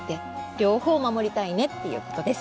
両方守りたいねっていうことです。